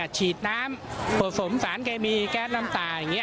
ฉีดน้ำผสมสารเคมีแก๊สน้ำตาอย่างนี้